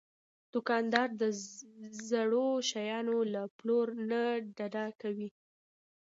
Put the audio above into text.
دوکاندار د زړو شیانو له پلور نه ډډه کوي.